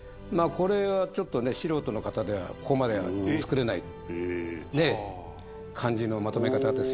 これはちょっとね素人の方ではここまでは作れない感じのまとめ方ですよね。